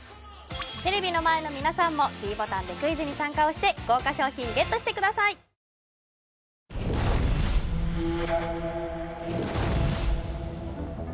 テレビの前の皆さんもｄボタンでクイズに参加をして豪華賞品ＧＥＴしてくださいかしこく食べたいうわ！